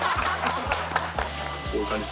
こういう感じで。